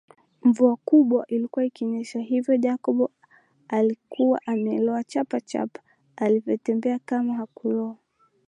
Mvua kubwa ilikua ikinyesha hivyo Jacob aalikuwa ameloa chapachapa alivotembea kama hakuloa